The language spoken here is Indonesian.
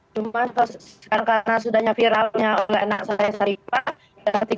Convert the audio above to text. cuma sekarang karena sudah viralnya oleh anak saya syarifah